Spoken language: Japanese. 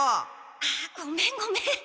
あっごめんごめん。